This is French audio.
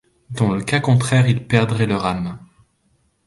Dans le cas contraire ils perdraient leurs âmes.